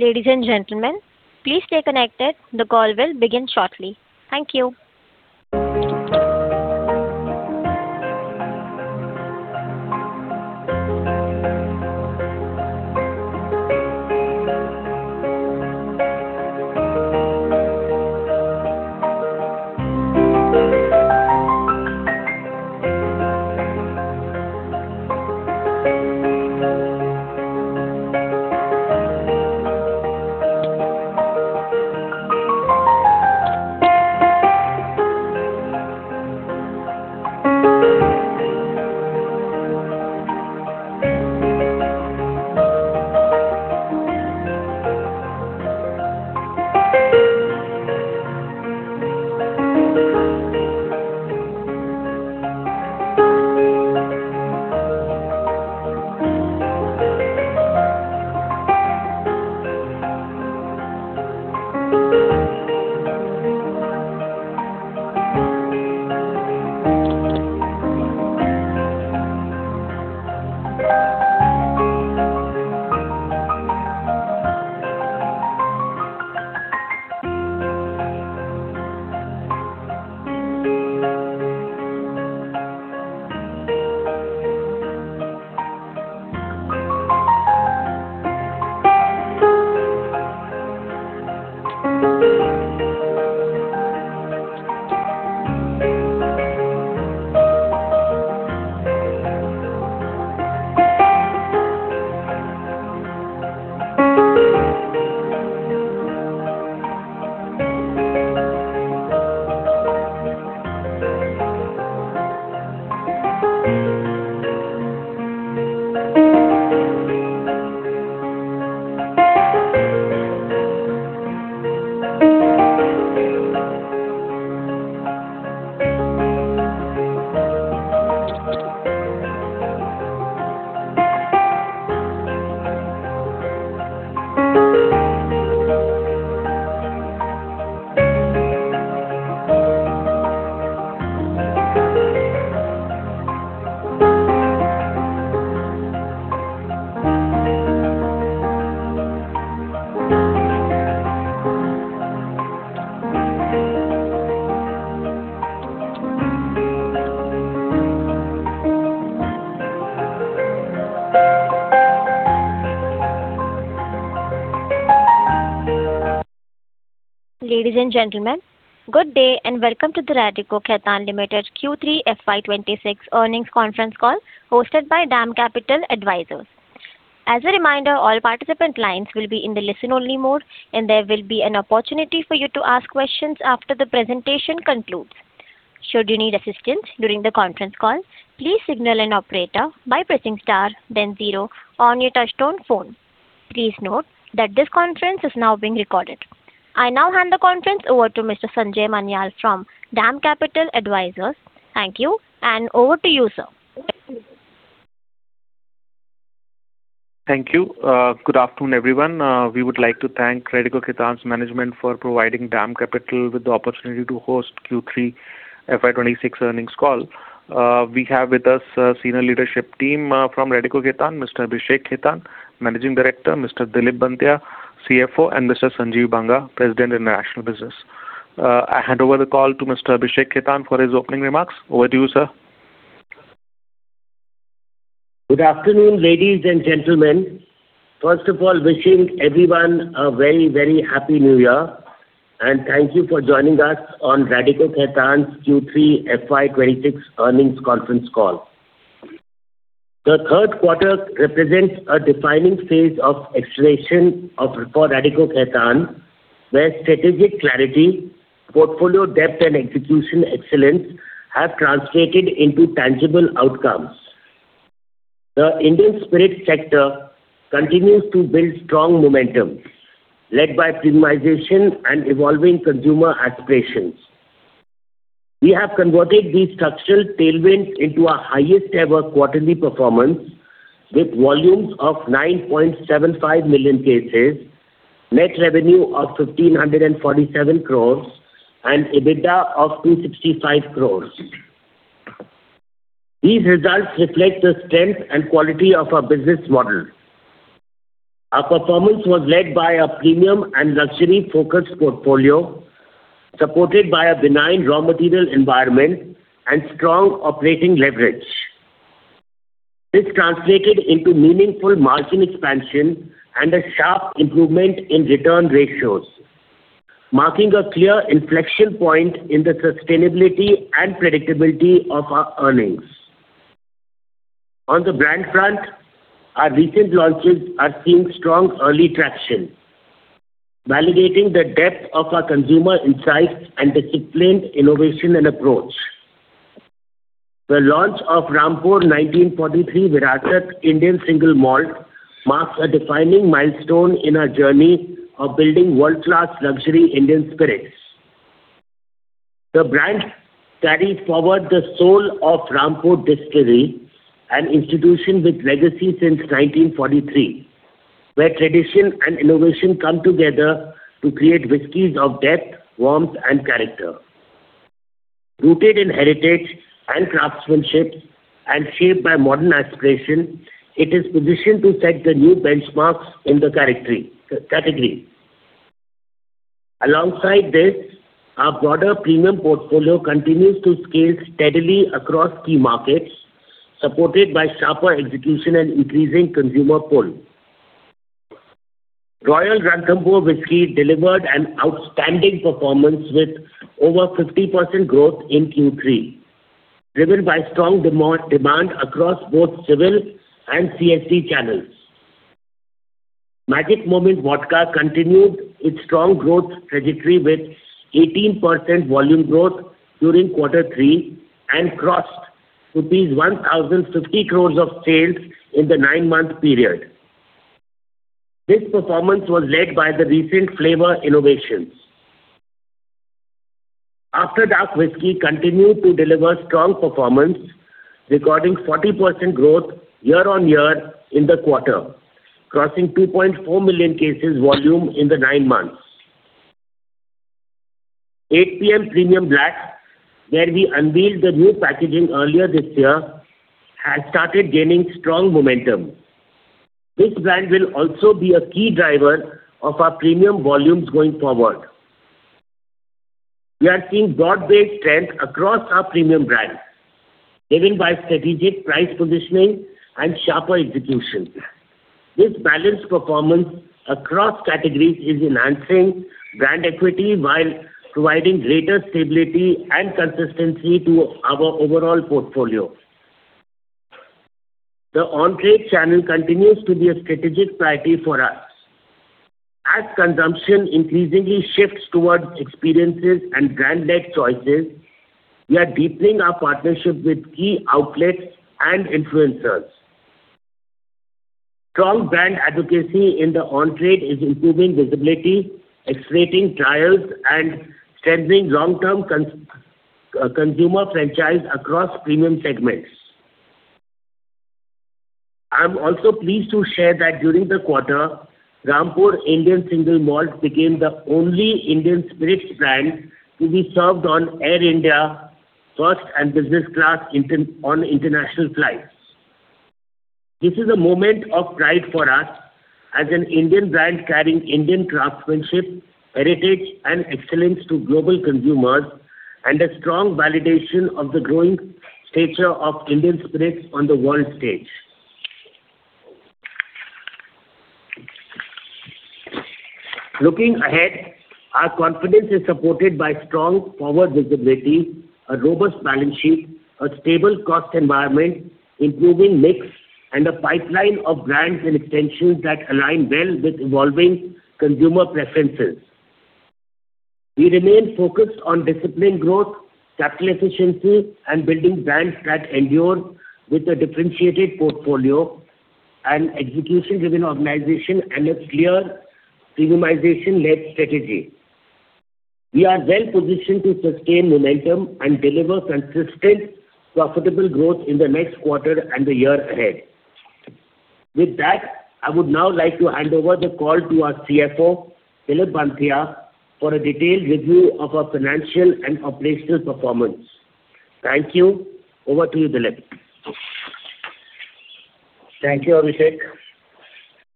Ladies and gentlemen, please stay connected. The call will begin shortly. Thank you. Ladies and gentlemen, good day and welcome to the Radico Khaitan Limited Q3 FY 2026 earnings conference call hosted by DAM Capital Advisors. As a reminder, all participant lines will be in the listen-only mode, and there will be an opportunity for you to ask questions after the presentation concludes. Should you need assistance during the conference call, please signal an operator by pressing star, then zero on your touch-tone phone. Please note that this conference is now being recorded. I now hand the conference over to Mr. Sanjay Manyal from DAM Capital Advisors. Thank you, and over to you, sir. Thank you. Good afternoon, everyone. We would like to thank Radico Khaitan's management for providing DAM Capital with the opportunity to host the Q3 FY 2026 earnings call. We have with us a senior leadership team from Radico Khaitan, Mr. Abhishek Khaitan, Managing Director, Mr. Dilip Banthiya, CFO, and Mr. Sanjeev Banga, President of International Business. I hand over the call to Mr. Abhishek Khaitan for his opening remarks. Over to you, sir. Good afternoon, ladies and gentlemen. First of all, wishing everyone a very, very happy New Year, and thank you for joining us on Radico Khaitan's Q3 FY 2026 earnings conference call. The third quarter represents a defining phase of exploration for Radico Khaitan, where strategic clarity, portfolio depth, and execution excellence have translated into tangible outcomes. The Indian spirit sector continues to build strong momentum, led by premiumization and evolving consumer aspirations. We have converted these structural tailwinds into our highest-ever quarterly performance, with volumes of 9.75 million cases, net revenue of 1,547 crores, and EBITDA of 265 crores. These results reflect the strength and quality of our business model. Our performance was led by a premium and luxury-focused portfolio, supported by a benign raw material environment and strong operating leverage. This translated into meaningful margin expansion and a sharp improvement in return ratios, marking a clear inflection point in the sustainability and predictability of our earnings. On the brand front, our recent launches are seeing strong early traction, validating the depth of our consumer insights and disciplined innovation and approach. The launch of Rampur 1943 Virasat Indian Single Malt marks a defining milestone in our journey of building world-class luxury Indian spirits. The brand carries forward the soul of Rampur Distillery, an institution with legacy since 1943, where tradition and innovation come together to create whiskies of depth, warmth, and character. Rooted in heritage and craftsmanship, and shaped by modern aspiration, it is positioned to set the new benchmarks in the category. Alongside this, our broader premium portfolio continues to scale steadily across key markets, supported by sharper execution and increasing consumer pull. Royal Ranthambore Whisky delivered an outstanding performance with over 50% growth in Q3, driven by strong demand across both civil and CSD channels. Magic Moments Vodka continued its strong growth trajectory with 18% volume growth during Q3 and crossed rupees 1,050 crores of sales in the nine-month period. This performance was led by the recent flavor innovations. After Dark Whisky continued to deliver strong performance, recording 40% growth year-on-year in the quarter, crossing 2.4 million cases volume in the nine months. 8PM Premium Black, where we unveiled the new packaging earlier this year, has started gaining strong momentum. This brand will also be a key driver of our premium volumes going forward. We are seeing broad-based strength across our premium brand, driven by strategic price positioning and sharper execution. This balanced performance across categories is enhancing brand equity while providing greater stability and consistency to our overall portfolio. The on-trade channel continues to be a strategic priority for us. As consumption increasingly shifts towards experiences and brand-led choices, we are deepening our partnership with key outlets and influencers. Strong brand advocacy in the on-trade is improving visibility, accelerating trials, and strengthening long-term consumer franchise across premium segments. I'm also pleased to share that during the quarter, Rampur Indian Single Malt became the only Indian spirits brand to be served on Air India First and Business Class on international flights. This is a moment of pride for us as an Indian brand carrying Indian craftsmanship, heritage, and excellence to global consumers, and a strong validation of the growing stature of Indian spirits on the world stage. Looking ahead, our confidence is supported by strong forward visibility, a robust balance sheet, a stable cost environment, improving mix, and a pipeline of brands and extensions that align well with evolving consumer preferences. We remain focused on disciplined growth, capital efficiency, and building brands that endure with a differentiated portfolio and execution-driven organization and a clear premiumization-led strategy. We are well-positioned to sustain momentum and deliver consistent, profitable growth in the next quarter and the year ahead. With that, I would now like to hand over the call to our CFO, Dilip Banthiya, for a detailed review of our financial and operational performance. Thank you. Over to you, Dilip. Thank you,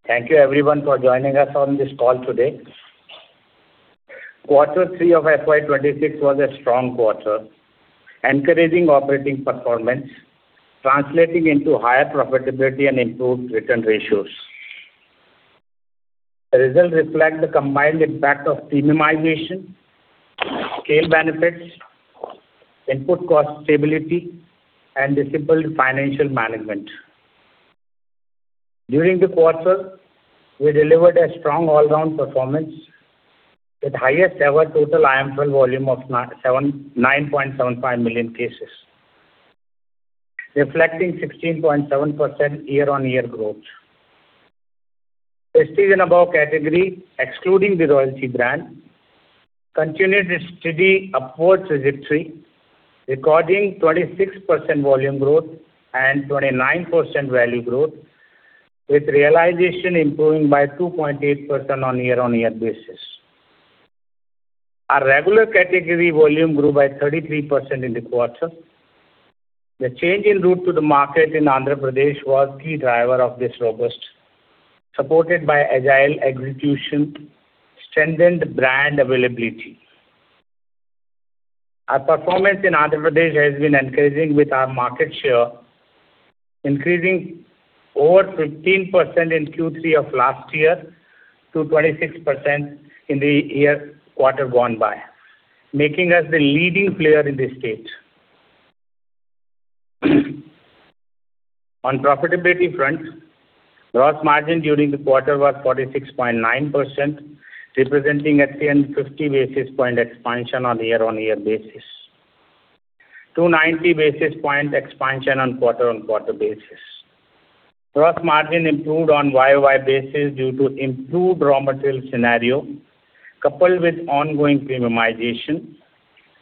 Abhishek. Thank you, everyone, for joining us on this call today. Quarter three of FY 2026 was a strong quarter, encouraging operating performance, translating into higher profitability and improved return ratios. The results reflect the combined impact of premiumization, scale benefits, input cost stability, and disciplined financial management. During the quarter, we delivered a strong all-round performance with the highest-ever total IMFL volume of 9.75 million cases, reflecting 16.7% year-on-year growth. Prestige and Above category, excluding the royalty brand, continued its steady upward trajectory, recording 26% volume growth and 29% value growth, with realization improving by 2.8% on a year-on-year basis. Our regular category volume grew by 33% in the quarter. The change in route to the market in Andhra Pradesh was a key driver of this robust, supported by agile execution, strengthened brand availability. Our performance in Andhra Pradesh has been encouraging with our market share, increasing over 15% in Q3 of last year to 26% in the year quarter gone by, making us the leading player in the state. On profitability front, gross margin during the quarter was 46.9%, representing a 350 basis point expansion on a year-on-year basis, 290 basis point expansion on quarter-on-quarter basis. Gross margin improved on YOY basis due to improved raw material scenario, coupled with ongoing premiumization.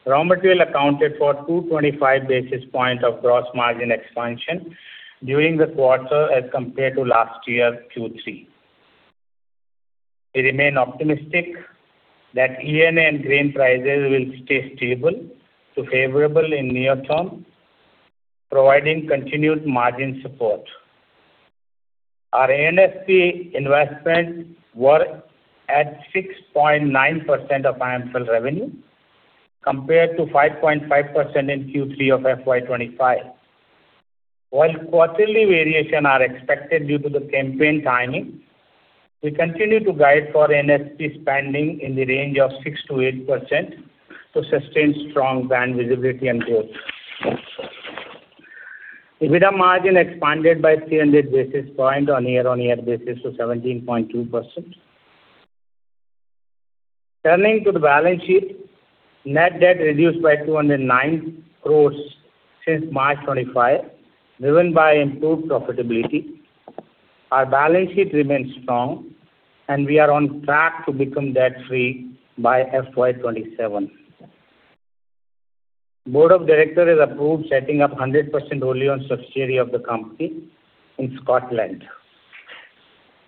Raw material accounted for 225 basis point of gross margin expansion during the quarter as compared to last year's Q3. We remain optimistic that ENA and grain prices will stay stable to favorable in near-term, providing continued margin support. Our A&P investment were at 6.9% of IMFL revenue, compared to 5.5% in Q3 of FY 2025. While quarterly variation is expected due to the campaign timing, we continue to guide for A&P spending in the range of 6%-8% to sustain strong brand visibility and growth. EBITDA margin expanded by 300 basis points on a year-on-year basis to 17.2%. Turning to the balance sheet, net debt reduced by 2.09 billion since March 2025, driven by improved profitability. Our balance sheet remains strong, and we are on track to become debt-free by FY 2027. The Board of Directors has approved setting up 100% holding on subsidiary of the company in Scotland.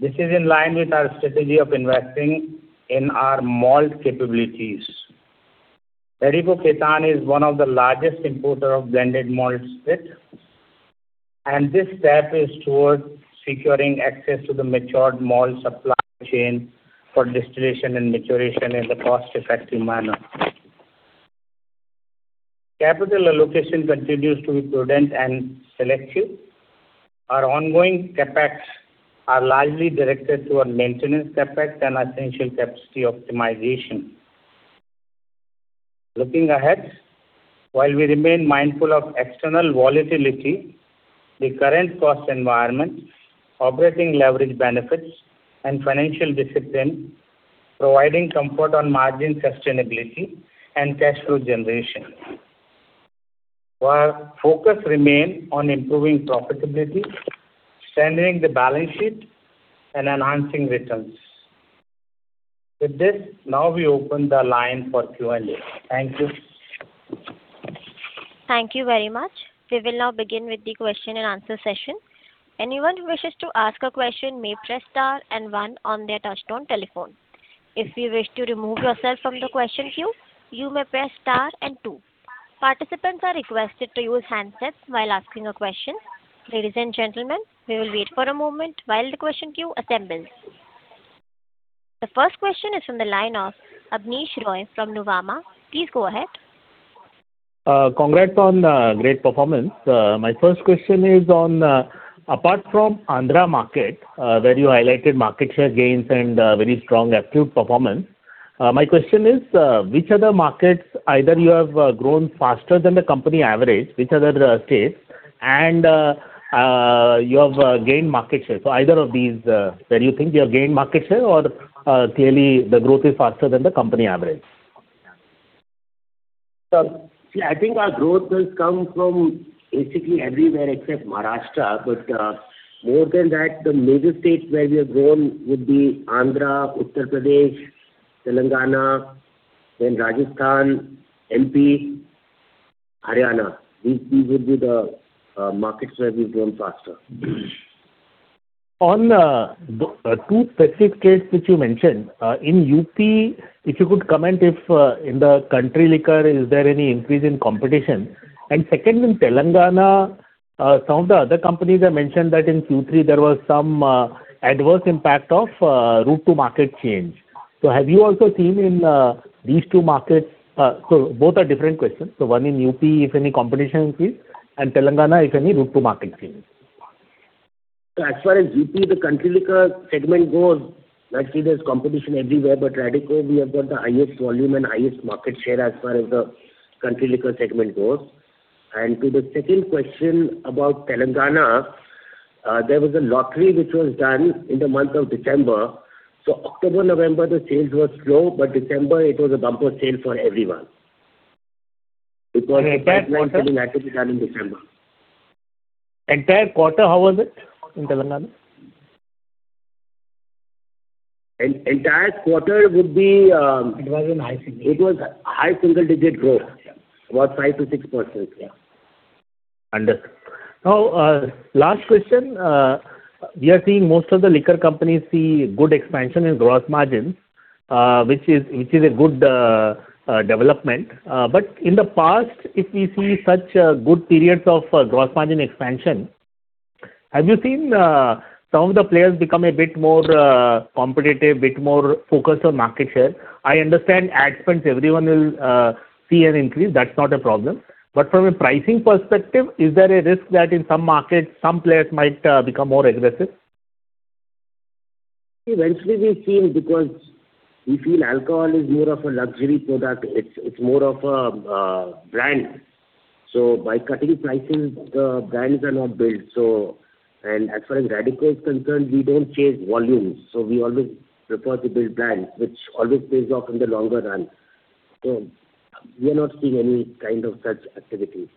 This is in line with our strategy of investing in our malt capabilities. Radico Khaitan is one of the largest importers of blended malt spirit, and this step is towards securing access to the matured malt supply chain for distillation and maturation in a cost-effective manner. Capital allocation continues to be prudent and selective. Our ongoing CapEx is largely directed toward maintenance CapEx and essential capacity optimization. Looking ahead, while we remain mindful of external volatility, the current cost environment, operating leverage benefits, and financial discipline provide comfort on margin sustainability and cash flow generation. Our focus remains on improving profitability, strengthening the balance sheet, and enhancing returns. With this, now we open the line for Q&A. Thank you. Thank you very much. We will now begin with the question-and-answer session. Anyone who wishes to ask a question may press star and one on their touch-tone telephone. If you wish to remove yourself from the question queue, you may press star and two. Participants are requested to use handsets while asking a question. Ladies and gentlemen, we will wait for a moment while the question queue assembles. The first question is from the line of Abneesh Roy from Nuvama. Please go ahead. Congrats on the great performance. My first question is on, apart from Andhra market, where you highlighted market share gains and very strong absolute performance. My question is, which other markets either you have grown faster than the company average, which other states, and you have gained market share? So either of these, where you think you have gained market share or clearly the growth is faster than the company average? I think our growth has come from basically everywhere except Maharashtra, but more than that, the major states where we have grown would be Andhra, Uttar Pradesh, Telangana, then Rajasthan, MP, Haryana. These would be the markets where we've grown faster. On the two specific states which you mentioned, in UP, if you could comment if in the country liquor, is there any increase in competition? And second, in Telangana, some of the other companies have mentioned that in Q3 there was some adverse impact of route-to-market change. So have you also seen in these two markets? So both are different questions. So one in UP, if any competition increase, and Telangana, if any route-to-market change. As far as UP, the country liquor segment goes, actually, there's competition everywhere, but Radico, we have got the highest volume and highest market share as far as the country liquor segment goes. And to the second question about Telangana, there was a lottery which was done in the month of December. So October-November, the sales were slow, but December, it was a bumper sale for everyone. It was a big launch in United Spirits in December. Entire quarter, how was it in Telangana? Entire quarter would be. It was in high single digit. It was high single-digit growth, about 5%-6%. Understood. Now, last question. We are seeing most of the liquor companies see good expansion in gross margins, which is a good development. But in the past, if we see such good periods of gross margin expansion, have you seen some of the players become a bit more competitive, a bit more focused on market share? I understand ad spends, everyone will see an increase. That's not a problem. But from a pricing perspective, is there a risk that in some markets, some players might become more aggressive? Eventually, we've seen because we feel alcohol is more of a luxury product. It's more of a brand. So by cutting prices, the brands are not built. And as far as Radico is concerned, we don't chase volumes. So we always prefer to build brands, which always pays off in the longer run. So we are not seeing any kind of such activity.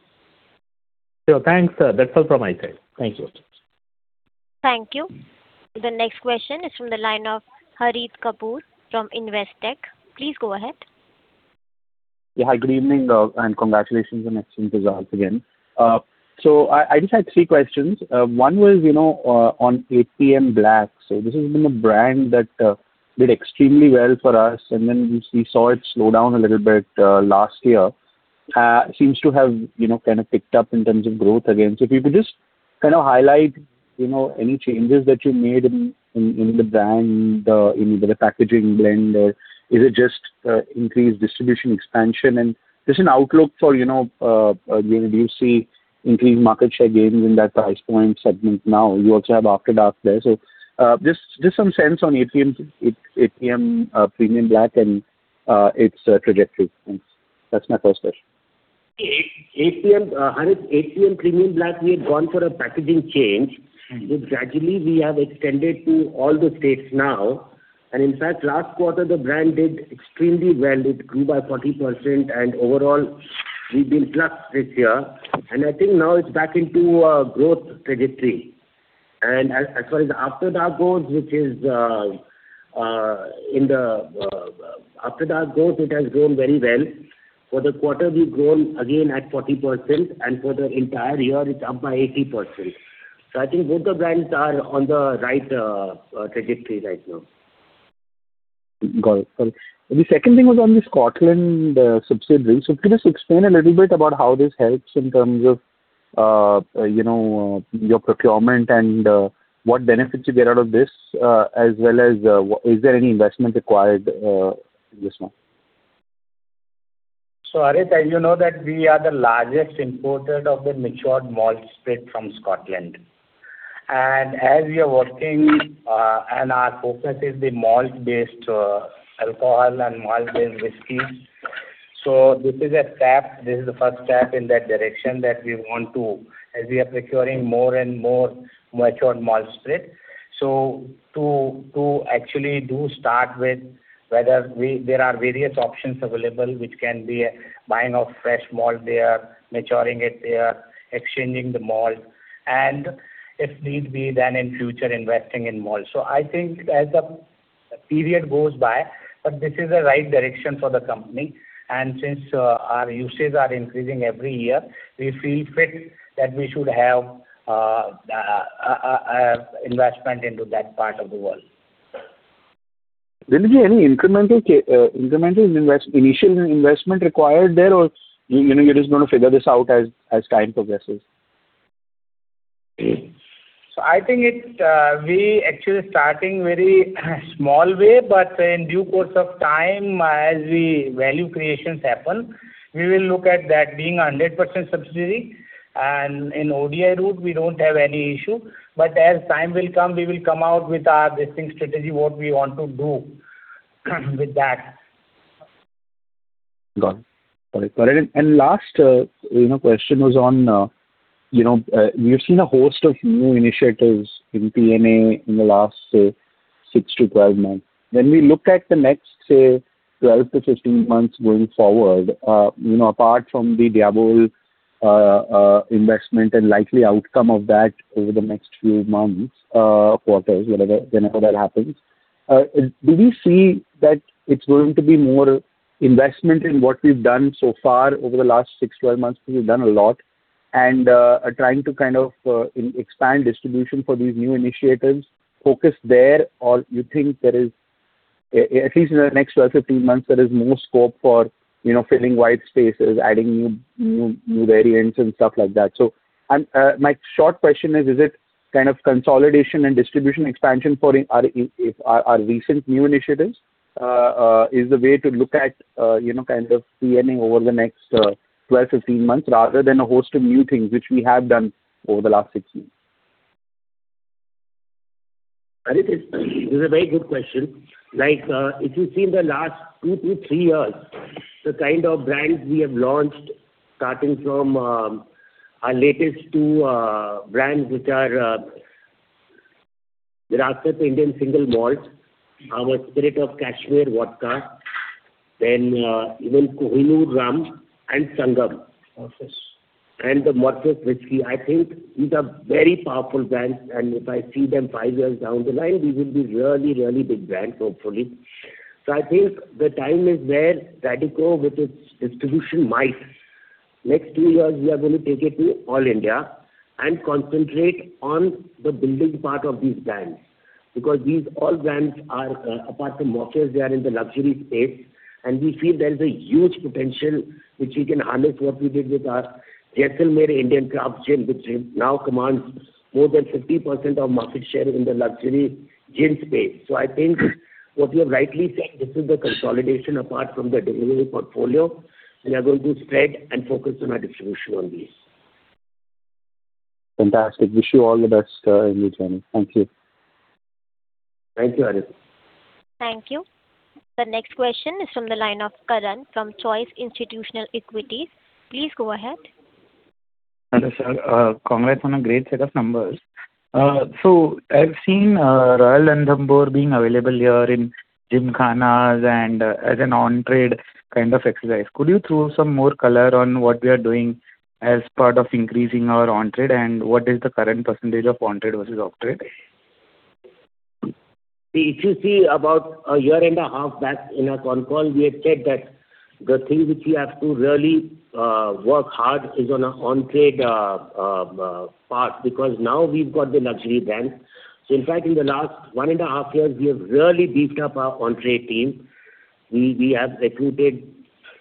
Thanks. That's all from my side. Thank you. Thank you. The next question is from the line of Harith Kapoor from Investec. Please go ahead. Yeah, good evening and congratulations on exchanges once again. So I just had three questions. One was on 8PM Black. So this has been a brand that did extremely well for us, and then we saw it slow down a little bit last year. Seems to have kind of picked up in terms of growth again. So if you could just kind of highlight any changes that you made in the brand, either the packaging blend, or is it just increased distribution expansion? And just an outlook for when you see increased market share gains in that price point segment now. You also have After Dark there. So just some sense on 8PM Premium Black and its trajectory. That's my first question. 8PM Premium Black, we had gone for a packaging change. Gradually, we have extended to all the states now, and in fact, last quarter, the brand did extremely well. It grew by 40%, and overall, we've been plus this year, and I think now it's back into a growth trajectory, and as far as After Dark goes, it has grown very well. For the quarter, we've grown again at 40%, and for the entire year, it's up by 80%, so I think both the brands are on the right trajectory right now. Got it. Got it. The second thing was on the Scotland subsidy. So could you just explain a little bit about how this helps in terms of your procurement and what benefits you get out of this, as well as is there any investment required in this one? So Harit, as you know, we are the largest importer of the matured malt spirit from Scotland. And as we are working, and our focus is the malt-based alcohol and malt-based whiskys. So this is a step. This is the first step in that direction that we want to, as we are procuring more and more matured malt spirit. So to actually do start with whether there are various options available, which can be buying of fresh malt there, maturing it there, exchanging the malt, and if need be, then in future, investing in malt. So I think as the period goes by, but this is the right direction for the company. And since our uses are increasing every year, we feel fit that we should have investment into that part of the world. Will there be any incremental initial investment required there, or you're just going to figure this out as time progresses? So I think we actually are starting a very small way, but in due course of time, as value creations happen, we will look at that being 100% subsidiary. And in ODI route, we don't have any issue. But as time will come, we will come out with our distinct strategy, what we want to do with that. Got it. Got it. And last question was on, we've seen a host of new initiatives in P&A in the last 6 to 12 months. When we look at the next 12 to 15 months going forward, apart from the D'YAVOL investment and likely outcome of that over the next few months, quarters, whenever that happens, do we see that it's going to be more investment in what we've done so far over the last 6 to 12 months? We've done a lot. And trying to kind of expand distribution for these new initiatives, focus there, or you think there is, at least in the next 12 to 15 months, there is more scope for filling white spaces, adding new variants, and stuff like that? So my short question is, is it kind of consolidation and distribution expansion for our recent new initiatives? Is the way to look at kind of P&A over the next 12 to 15 months rather than a host of new things, which we have done over the last six months? This is a very good question. If you see in the last two, two, three years, the kind of brands we have launched, starting from our latest two brands, which are Virasat Indian Single Malt, our Spirit of Kashmyr vodka, then even Kohinoor Rum and Sangam, and the Morpheus Whisky, I think these are very powerful brands, and if I see them five years down the line, these will be really, really big brands, hopefully, so I think the time is there. Radico, with its distribution might. Next two years, we are going to take it to all India and concentrate on the building part of these brands. Because these all brands, apart from Morpheus, they are in the luxury space, and we feel there is a huge potential, which we can harness what we did with our Jaisalmer Indian Craft Gin, which now commands more than 50% of market share in the luxury gin space. So I think what you have rightly said, this is the consolidation apart from the delivery portfolio, and we are going to spread and focus on our distribution on these. Fantastic. Wish you all the best in your journey. Thank you. Thank you, Harit. Thank you. The next question is from the line of Karan from Choice Institutional Equities. Please go ahead. Hello, sir. Congrats on a great set of numbers. So I've seen Royal Ranthambore being available here in Gymkhana and as an on-trade kind of exercise. Could you throw some more color on what we are doing as part of increasing our on-trade, and what is the current percentage of on-trade versus off-trade? If you see, about a year and a half back in our con call, we had said that the thing which we have to really work hard is on our on-trade part because now we've got the luxury brands, so in fact, in the last one and a half years, we have really beefed up our on-trade team. We have recruited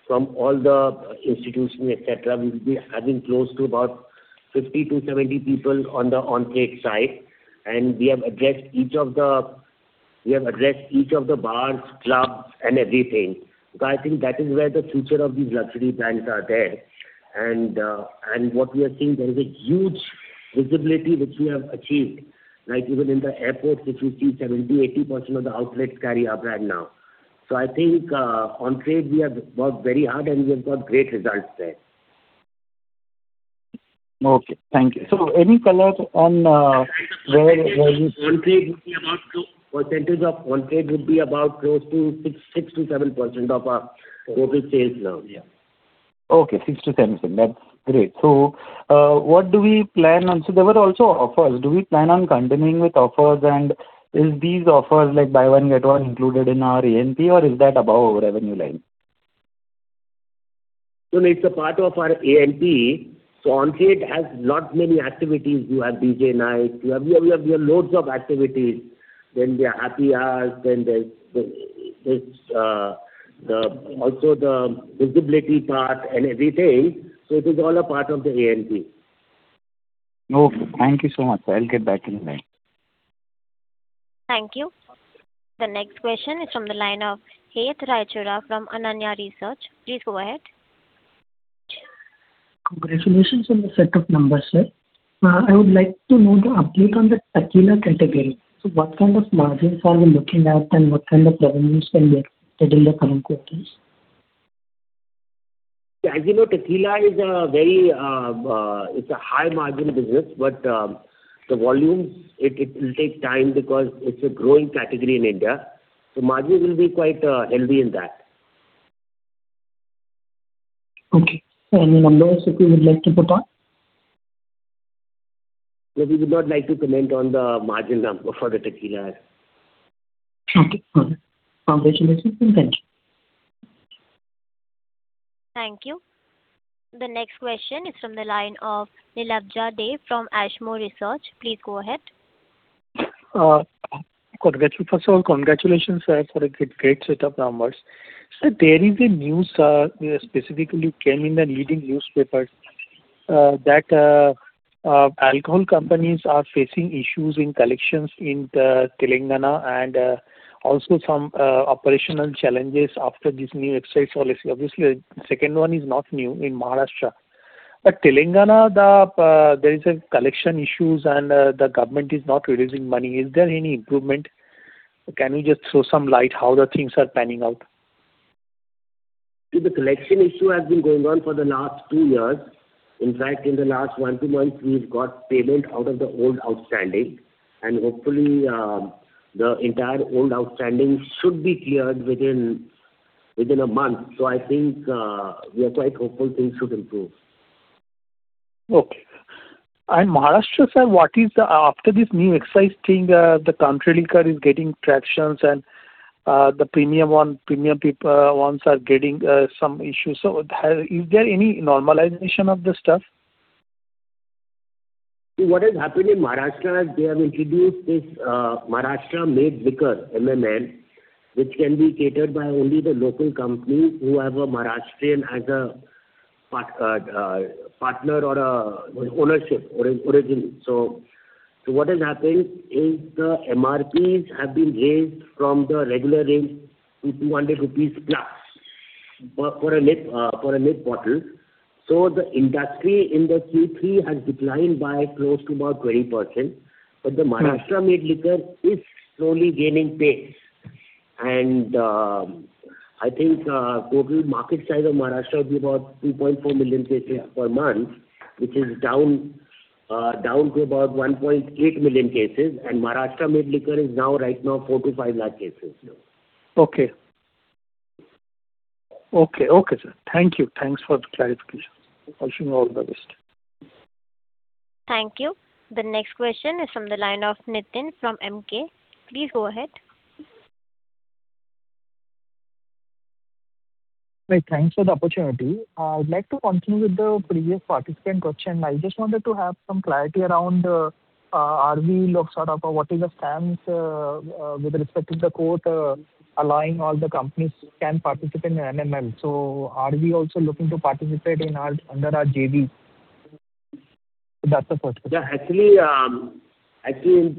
from all the institutions, etc. We've been having close to about 50-70 people on the on-trade side, and we have addressed each of the bars, clubs, and everything, so I think that is where the future of these luxury brands are there, and what we are seeing, there is a huge visibility which we have achieved. Even in the airports, which we see 70%-80% of the outlets carry our brand now. So I think on-trade, we have worked very hard, and we have got great results there. Okay. Thank you. So any color on where you see? On-trade would be about close to 6%-7% of our total sales now. Okay. 6%-7%. That's great. So what do we plan on? So there were also offers. Do we plan on continuing with offers, and is these offers like buy one get one included in our A&P, or is that above our revenue line? So, it's a part of our A&P. So, on-trade has not many activities. You have DJ nights. We have loads of activities. Then, we have happy hours. Then, there's also the visibility part and everything. So, it is all a part of the A&P. Okay. Thank you so much. I'll get back to you in a minute. Thank you. The next question is from the line of Hith Raichura from Ananya Research. Please go ahead. Congratulations on the set of numbers, sir. I would like to know the update on the tequila category. So what kind of margins are we looking at, and what kind of revenues can be expected in the coming quarters? As you know, tequila is a very high-margin business, but the volumes, it will take time because it's a growing category in India. So margins will be quite heavy in that. Okay. Any numbers that you would like to put on? We would not like to comment on the margin number for the tequila. Okay. Got it. Congratulations. And thank you. Thank you. The next question is from the line of Nilabja Dey from Ashmore Research. Please go ahead. First of all, congratulations, sir, for a great set of numbers. So there is a news specifically came in the leading newspapers that alcohol companies are facing issues in collections in Telangana and also some operational challenges after this new excise policy. Obviously, the second one is not new in Maharashtra. But Telangana, there are collection issues, and the government is not releasing money. Is there any improvement? Can you just throw some light on how the things are panning out? The collection issue has been going on for the last two years. In fact, in the last one or two months, we've got payment out of the old outstanding. And hopefully, the entire old outstanding should be cleared within a month. So I think we are quite hopeful things should improve. Okay. And Maharashtra, sir, after this new excise thing, the country liquor is getting traction, and the premium ones are getting some issues. So is there any normalization of the stuff? What has happened in Maharashtra is they have introduced this Maharashtra Made Liquor, MML, which can be catered by only the local companies who have a Maharashtrian partner or ownership origin, so what has happened is the MRPs have been raised from the regular range to 200 rupees plus for a nip bottle, so the industry in the Q3 has declined by close to about 20%, but the Maharashtra Made Liquor is slowly gaining pace, and I think total market size of Maharashtra would be about 2.4 million cases per month, which is down to about 1.8 million cases, and Maharashtra Made Liquor is now right now 4 lakh-5 lakh cases. Okay, sir. Thank you. Thanks for the clarification. Wishing you all the best. Thank you. The next question is from the line of Nitin from Emkay. Please go ahead. Hey, thanks for the opportunity. I would like to continue with the previous participant question. I just wanted to have some clarity around RNV's locus standi. What is the stance with respect to the court allowing all the companies to participate in MML? So are we also looking to participate under our JV? So that's the first question. Yeah. Actually,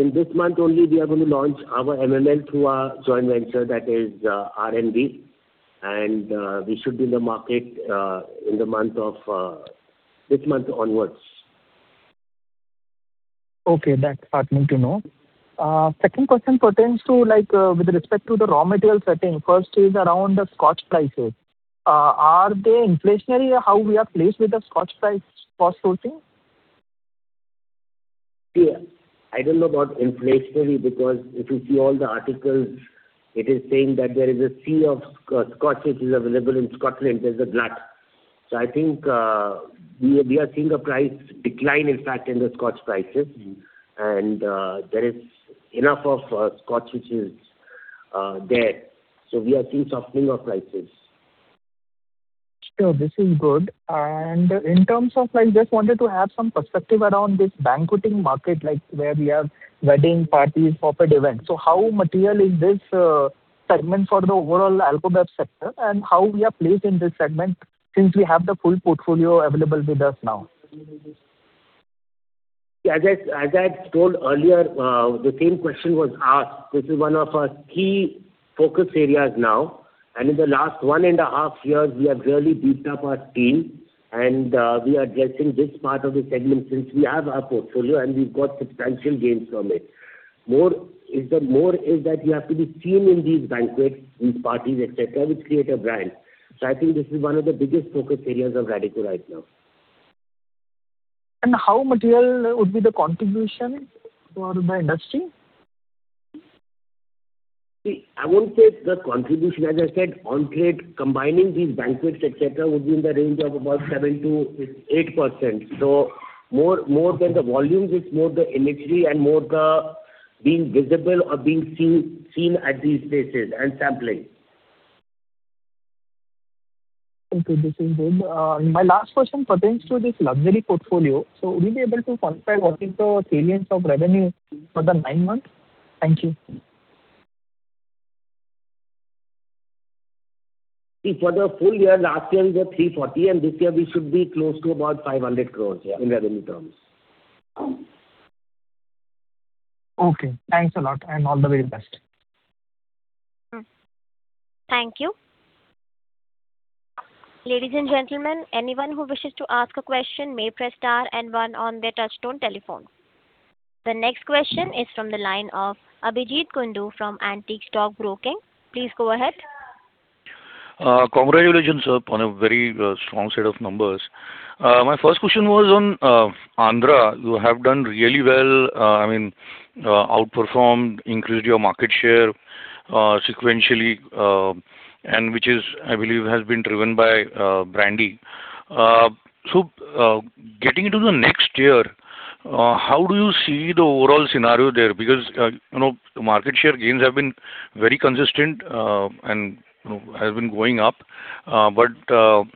in this month only, we are going to launch our MML through our joint venture that is RNV, and we should be in the market in the month of this month onwards. Okay. That's heartening to know. Second question pertains to with respect to the raw material setting. First is around the Scotch prices. Are they inflationary or how we are placed with the Scotch price for sourcing? Yes. I don't know about inflationary because if you see all the articles, it is saying that there is a sea of Scotch which is available in Scotland. There's a glut, so I think we are seeing a price decline, in fact, in the Scotch prices, and there is enough of Scotch which is there, so we are seeing softening of prices. Sure. This is good. And in terms of, I just wanted to have some perspective around this banqueting market where we have wedding parties, corporate events. So how material is this segment for the overall alcohol sector and how we are placed in this segment since we have the full portfolio available with us now? As I told earlier, the same question was asked. This is one of our key focus areas now. And in the last one and a half years, we have really beefed up our team. And we are addressing this part of the segment since we have our portfolio and we've got substantial gains from it. More is that you have to be seen in these banquets, these parties, etc., which create a brand. So I think this is one of the biggest focus areas of Radico right now. How material would be the contribution for the industry? See, I won't say it's the contribution. As I said, on-trade, combining these banquets, etc., would be in the range of about 7%-8%. So more than the volumes, it's more the imagery and more the being visible or being seen at these places and sampling. Okay. This is good. My last question pertains to this luxury portfolio. So will we be able to quantify what is the salience of revenue for the nine months? Thank you. See, for the full year, last year we were 340, and this year we should be close to about 500 crores in revenue terms. Okay. Thanks a lot, and all the very best. Thank you. Ladies and gentlemen, anyone who wishes to ask a question may press star and one on their touch-tone telephone. The next question is from the line of Abhijeet Kundu from Antique Stock Broking. Please go ahead. Congratulations, sir, on a very strong set of numbers. My first question was on Andhra. You have done really well, I mean, outperformed, increased your market share sequentially, and which is, I believe, has been driven by brandy, so getting into the next year, how do you see the overall scenario there, because the market share gains have been very consistent and have been going up, but how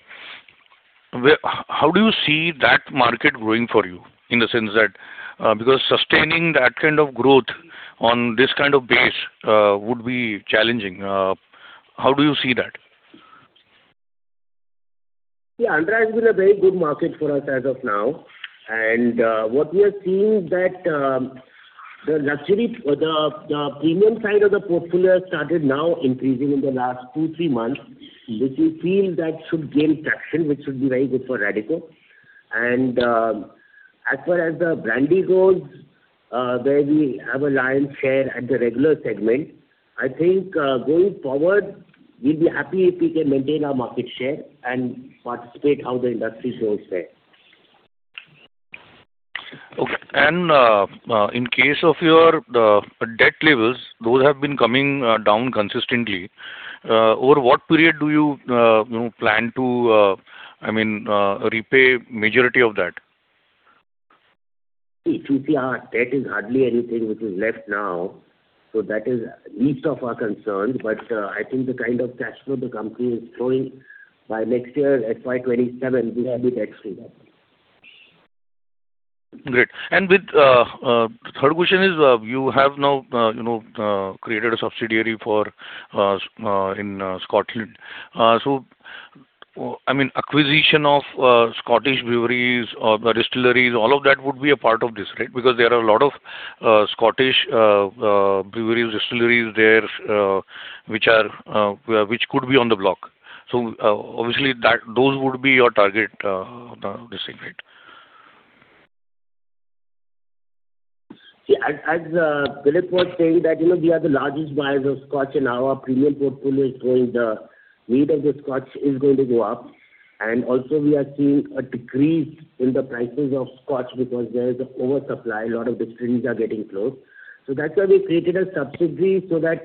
do you see that market growing for you in the sense that because sustaining that kind of growth on this kind of base would be challenging? How do you see that? Yeah. Andhra has been a very good market for us as of now. And what we are seeing is that the premium side of the portfolio has started now increasing in the last two, three months, which we feel that should gain traction, which should be very good for Radico. And as far as the brandy goes, where we have a lion's share at the regular segment, I think going forward, we'll be happy if we can maintain our market share and participate how the industry grows there. Okay. And in case of your debt levels, those have been coming down consistently. Over what period do you plan to, I mean, repay majority of that? See, since we are debt-free, it's hardly anything which is left now. So that is least of our concerns. But I think the kind of cash flow the company is showing by next year FY 2027, we have been excellent. Great. And the third question is you have now created a subsidiary in Scotland. So I mean, acquisition of Scottish breweries or distilleries, all of that would be a part of this, right? Because there are a lot of Scottish breweries, distilleries there which could be on the block. So obviously, those would be your target this segment. See, as Dilip was saying that we are the largest buyers of Scotch and our premium portfolio is growing, the weight of the Scotch is going to go up. And also, we are seeing a decrease in the prices of Scotch because there is an oversupply. A lot of distilleries are getting closed. So that's why we created a subsidiary so that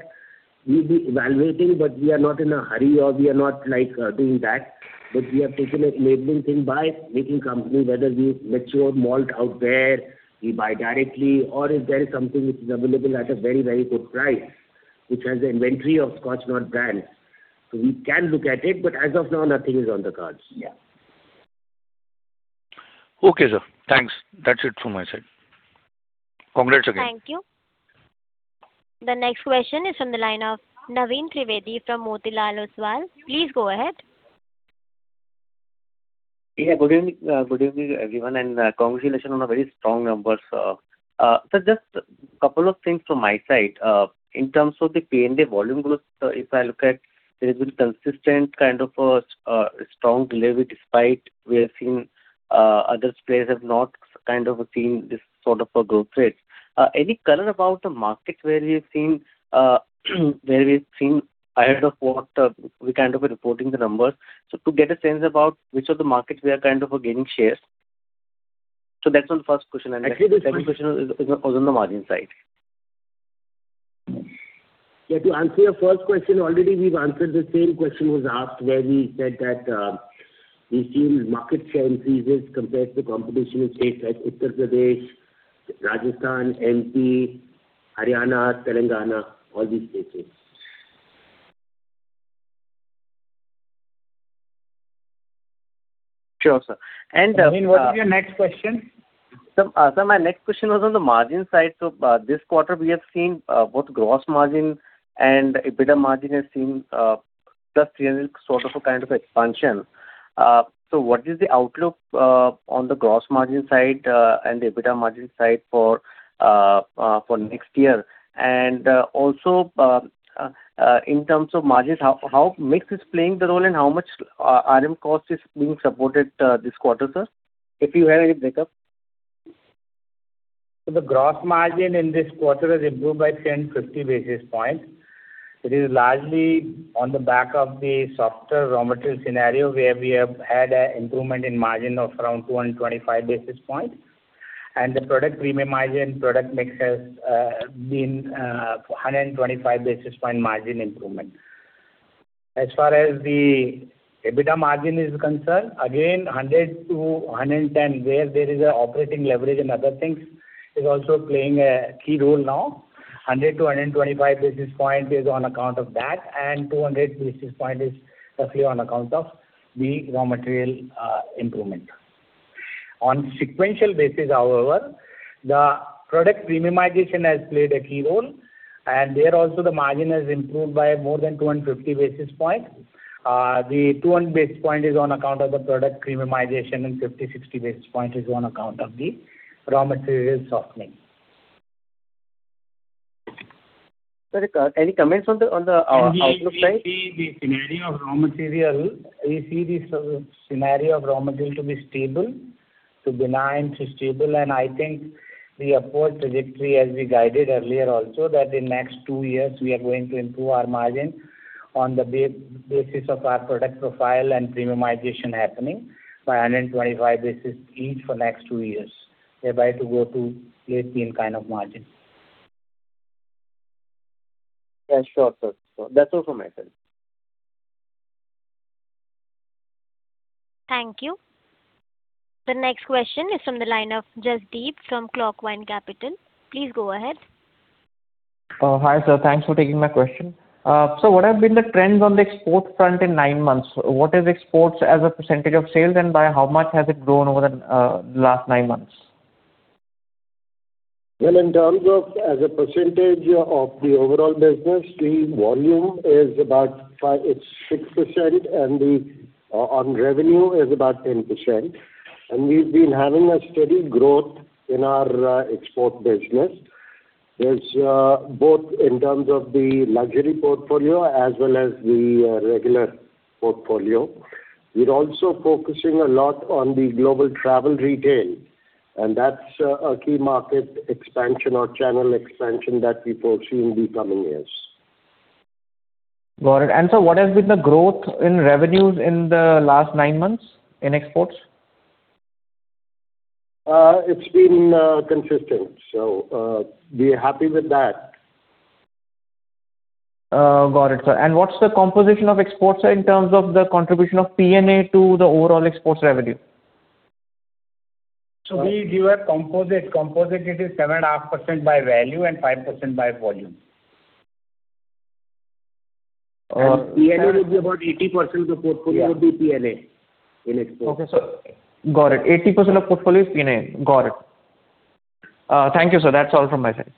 we'll be evaluating, but we are not in a hurry or we are not doing that. But we have taken an enabling thing by making company, whether we mature malt out there, we buy directly, or if there is something which is available at a very, very good price, which has the inventory of Scotch not brand. So we can look at it, but as of now, nothing is on the cards. Yeah. Okay, sir. Thanks. That's it from my side. Congrats again. Thank you. The next question is from the line of Naveen Trivedi from Motilal Oswal. Please go ahead. Yeah. Good evening, everyone. And congratulations on the very strong numbers. So just a couple of things from my side. In terms of the P&L volume growth, if I look at, there has been consistent kind of a strong delivery despite we have seen other players have not kind of seen this sort of a growth rate. Any color about the market where we've seen ahead of what we kind of reporting the numbers? So to get a sense about which of the markets we are kind of gaining shares. So that's one first question. And the second question was on the margin side. Yeah. To answer your first question, already we've answered the same question was asked where we said that we've seen market share increases compared to the competition in states like Uttar Pradesh, Rajasthan, MP, Haryana, Telangana, all these places. Sure, sir. Naveen, what is your next question? So my next question was on the margin side. So this quarter, we have seen both gross margin and EBITDA margin has seen plus 300 sort of a kind of expansion. So what is the outlook on the gross margin side and the EBITDA margin side for next year? And also, in terms of margins, how mix is playing the role and how much RM cost is being supported this quarter, sir? If you have any break-up. So the gross margin in this quarter has improved by 10-50 basis points. It is largely on the back of the softer raw material scenario where we have had an improvement in margin of around 225 basis points. And the product premium margin product mix has been 125 basis point margin improvement. As far as the EBITDA margin is concerned, again, 100-110, where there is an operating leverage and other things, is also playing a key role now. 100-125 basis point is on account of that, and 200 basis point is roughly on account of the raw material improvement. On sequential basis, however, the product premiumization has played a key role. And there also, the margin has improved by more than 250 basis point. The 200 basis point is on account of the product premiumization, and 50 to 60 basis point is on account of the raw material softening. Sir, any comments on the outlook side? We see the scenario of raw material to be stable, to be nine, stable. And I think the upward trajectory has been guided earlier also that in the next two years, we are going to improve our margin on the basis of our product profile and premiumization happening by 125 basis points each for the next two years, thereby to go to late teens kind of margin. Yeah. Sure, sir. That's all from my side. Thank you. The next question is from the line of Jasdeep from Clockvine Capital. Please go ahead. Hi, sir. Thanks for taking my question. So what have been the trends on the export front in nine months? What is exports as a percentage of sales, and by how much has it grown over the last nine months? In terms of as a percentage of the overall business, the volume is about 6%, and the revenue is about 10%. We've been having a steady growth in our export business, both in terms of the luxury portfolio as well as the regular portfolio. We're also focusing a lot on the global travel retail, and that's a key market expansion or channel expansion that we foresee in the coming years. Got it, and so, what has been the growth in revenues in the last nine months in exports? It's been consistent. So we are happy with that. Got it, sir. And what's the composition of exports in terms of the contribution of P&A to the overall exports revenue? We do have composite. Composite, it is 7.5% by value and 5% by volume. P&A would be about 80% of the portfolio in exports. Okay. So got it. 80% of portfolio is P&A. Got it. Thank you, sir. That's all from my side.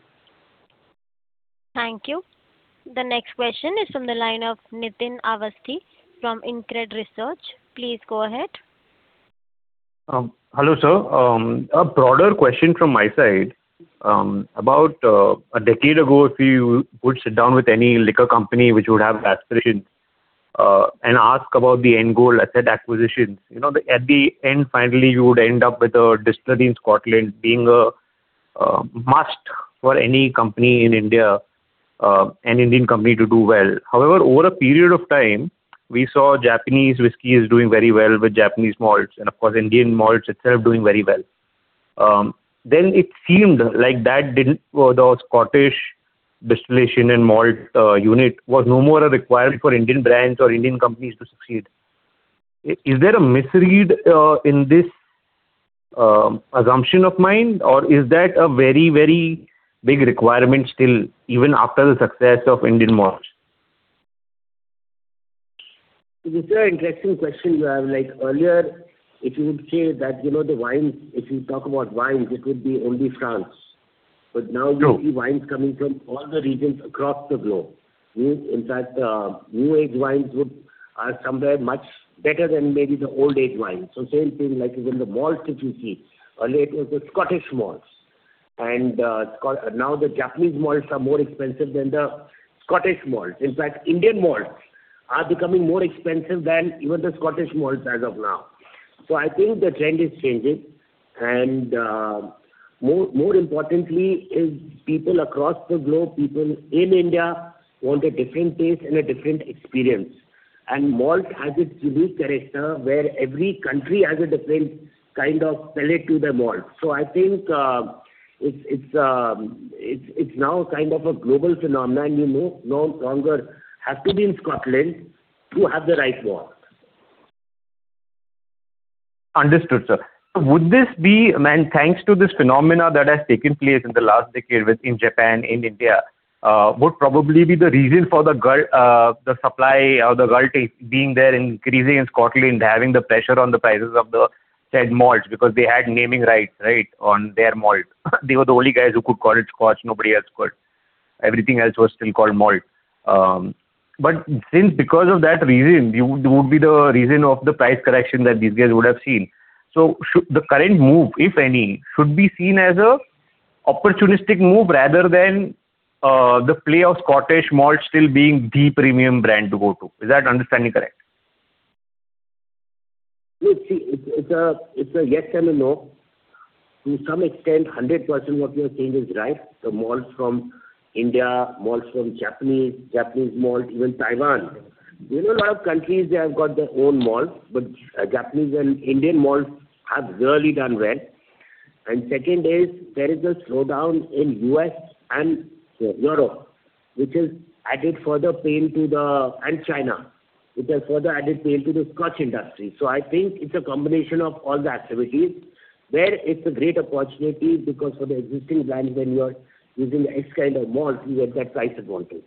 Thank you. The next question is from the line of Nitin Awasthi from InCred Research. Please go ahead. Hello, sir. A broader question from my side. About a decade ago, if you would sit down with any liquor company which would have aspirations and ask about the end goal, I said acquisitions. At the end, finally, you would end up with a distillery in Scotland being a must for any company in India, an Indian company to do well. However, over a period of time, we saw Japanese whisky is doing very well with Japanese malts, and of course, Indian malts itself doing very well. Then it seemed like that was Scottish distillation and malt unit was no more a requirement for Indian brands or Indian companies to succeed. Is there a misread in this assumption of mine, or is that a very, very big requirement still even after the success of Indian malts? This is an interesting question you have. Earlier, if you would say that the wines, if you talk about wines, it would be only France, but now we see wines coming from all the regions across the globe. In fact, new age wines are somewhere much better than maybe the old age wines, so same thing with the malts, if you see. Earlier, it was the Scottish malts, and now the Japanese malts are more expensive than the Scottish malts. In fact, Indian malts are becoming more expensive than even the Scottish malts as of now, so I think the trend is changing, and more importantly, people across the globe, people in India want a different taste and a different experience, and malt has its unique character where every country has a different kind of palate to the malt. So I think it's now kind of a global phenomenon, and you no longer have to be in Scotland to have the right malt. Understood, sir. So would this be thanks to this phenomena that has taken place in the last decade in Japan, in India, would probably be the reason for the supply of the glut being there and increasing in Scotland, having the pressure on the prices of the said malts because they had naming rights, right, on their malt? They were the only guys who could call it Scotch. Nobody else could. Everything else was still called malt. But because of that reason, it would be the reason of the price correction that these guys would have seen. So the current move, if any, should be seen as an opportunistic move rather than the play of Scottish malt still being the premium brand to go to. Is that understanding correct? Look, see, it's a yes and a no. To some extent, 100% of your thing is right. The malts from India, malts from Japanese, Japanese malt, even Taiwan. We know a lot of countries, they have got their own malts, but Japanese and Indian malts have rarely done well. And second is, there is a slowdown in U.S. and Europe, which has added further pain, and China, which has further added pain to the Scotch industry. So I think it's a combination of all the activities where it's a great opportunity because for the existing brands, when you're using X kind of malt, you get that price advantage.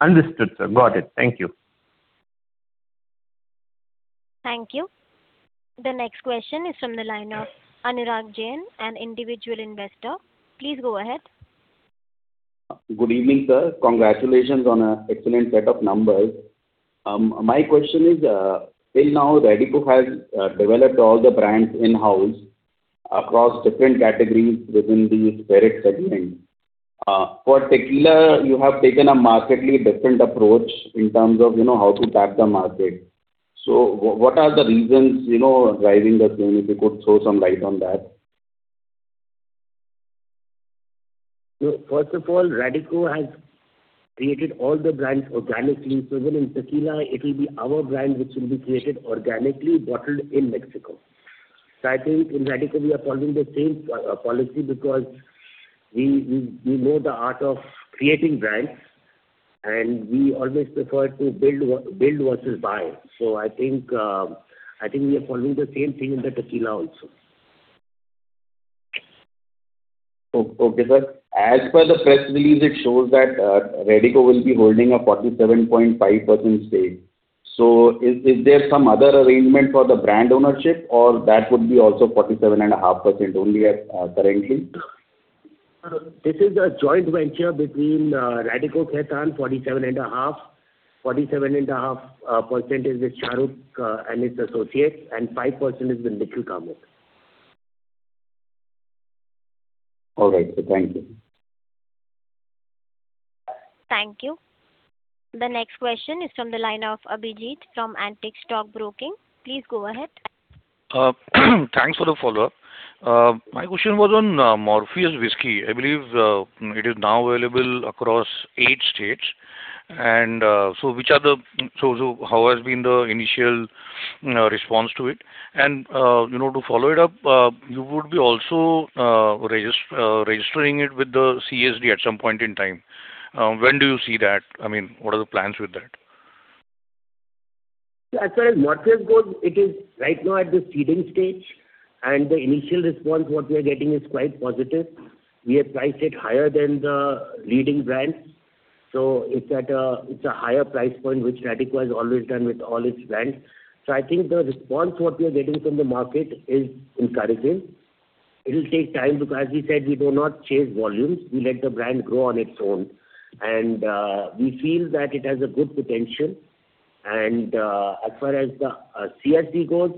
Understood, sir. Got it. Thank you. Thank you. The next question is from the line of Anirudh Jain, an individual investor. Please go ahead. Good evening, sir. Congratulations on an excellent set of numbers. My question is, till now, Radico has developed all the brands in-house across different categories within the spirit segment. For tequila, you have taken a markedly different approach in terms of how to tap the market. So what are the reasons driving us in if you could throw some light on that? Look, first of all, Radico has created all the brands organically. So even in tequila, it will be our brand which will be created organically, bottled in Mexico. So I think in Radico, we are following the same policy because we know the art of creating brands, and we always prefer to build versus buy. So I think we are following the same thing in the tequila also. Okay, sir. As per the press release, it shows that Radico will be holding a 47.5% stake. So is there some other arrangement for the brand ownership, or that would be also 47.5% only currently? This is a joint venture between Radico Khaitan, 47.5%, 47.5% is with Shah Rukh and his associates, and 5% is with Nikhil Kamath. All right. Thank you. Thank you. The next question is from the line of Abhijeet from Antique Stock Broking. Please go ahead. Thanks for the follow-up. My question was on Morpheus Whisky. I believe it is now available across eight states. And so how has been the initial response to it? And to follow it up, you would be also registering it with the CSD at some point in time. When do you see that? I mean, what are the plans with that? As far as Morpheus goes, it is right now at the seeding stage, and the initial response what we are getting is quite positive. We have priced it higher than the leading brands. So it's at a higher price point, which Radico has always done with all its brands. So I think the response what we are getting from the market is encouraging. It will take time because, as we said, we do not chase volumes. We let the brand grow on its own. And we feel that it has a good potential. And as far as the CSD goes,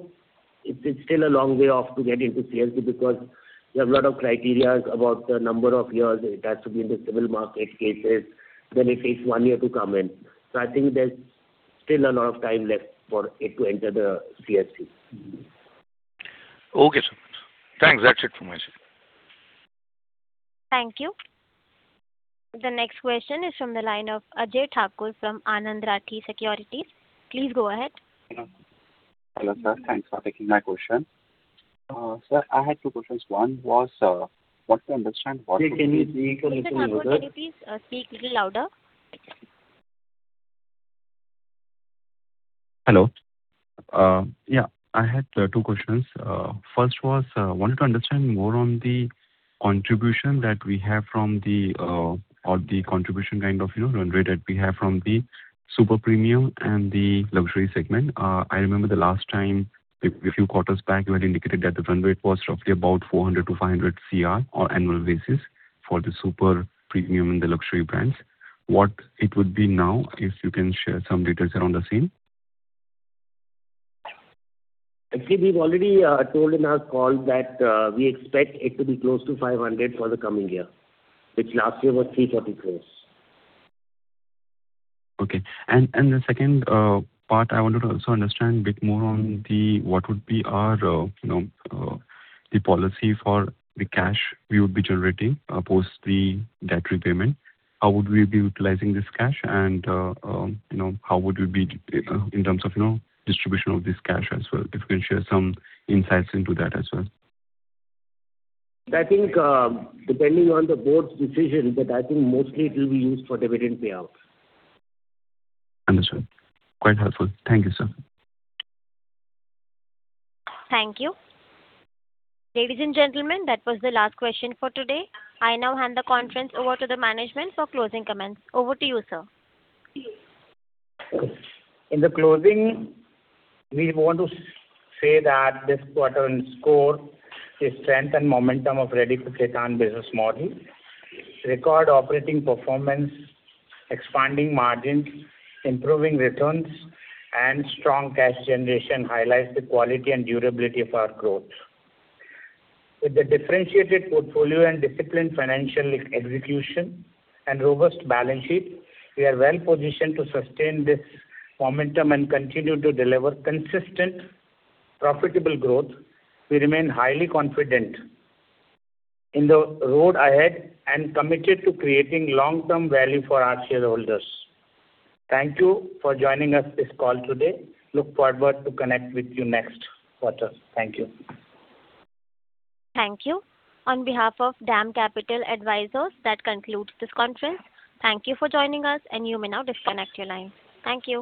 it's still a long way off to get into CSD because we have a lot of criteria about the number of years. It has to be in the civil market cases. Then it takes one year to come in. I think there's still a lot of time left for it to enter the CSD. Okay, sir. Thanks. That's it from my side. Thank you. The next question is from the line of Ajay Thakur from Anand Rathi Securities. Please go ahead. Hello, sir. Thanks for taking my question. Sir, I had two questions. One was, what to understand what? Okay. Can you speak a little louder? Hello. Yeah. I had two questions. First was, wanted to understand more on the contribution that we have from the contribution kind of run rate that we have from the super premium and the luxury segment. I remember the last time, a few quarters back, you had indicated that the run rate was roughly about 400-500 CR on annual basis for the super premium and the luxury brands. What it would be now if you can share some details around the same? Actually, we've already told in our call that we expect it to be close to 500 for the coming year, which last year was 343. Okay. And the second part, I wanted to also understand a bit more on what would be the policy for the cash we would be generating post the debt repayment. How would we be utilizing this cash, and how would we be in terms of distribution of this cash as well? If you can share some insights into that as well? I think, depending on the board's decision, but I think mostly it will be used for dividend payout. Understood. Quite helpful. Thank you, sir. Thank you. Ladies and gentlemen, that was the last question for today. I now hand the conference over to the management for closing comments. Over to you, sir. In the closing, we want to say that this quarter's results, the strength and momentum of Radico Khaitan business model, record operating performance, expanding margins, improving returns, and strong cash generation highlights the quality and durability of our growth. With the differentiated portfolio and disciplined financial execution and robust balance sheet, we are well positioned to sustain this momentum and continue to deliver consistent, profitable growth. We remain highly confident in the road ahead and committed to creating long-term value for our shareholders. Thank you for joining us on this call today. We look forward to connecting with you next quarter. Thank you. Thank you. On behalf of DAM Capital Advisors, that concludes this conference. Thank you for joining us, and you may now disconnect your line. Thank you.